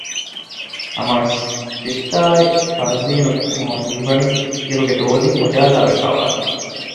ނަމަވެސް ރިޝްދާ އާއި ފަރުޒީނުގެ މޫނު ހީވަނީ އިރުގެ ދޯދިން އުޖާލާވެފައި ވާހެން